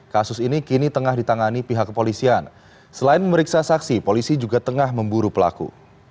kasus ini kini tengah ditangani pihak kepolisian selain memeriksa saksi polisi juga tengah memburu pelaku